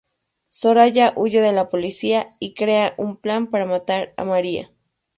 Soraya huye de la policía y crea un plan para matar a María.